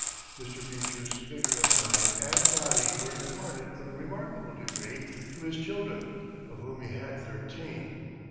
Mr. Beecher's vigor of mind and body were imparted in a remarkable degree to his children, of whom he had thirteen.